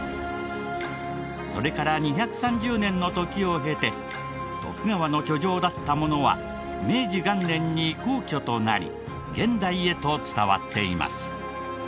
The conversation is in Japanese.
それから２３０年の時を経て徳川の居城だったものは明治元年に皇居となり現代へと伝わっています。